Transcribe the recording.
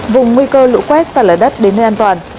vùng nguy cơ lũ quét sạt lở đất đến nơi an toàn